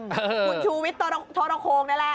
คุณชูวิทย์โทรโคงนั่นแหละ